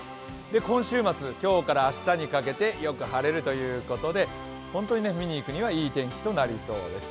今週末、今日から明日にかけてよく晴れるということで本当に、見に行くにはいい天気となりそうです。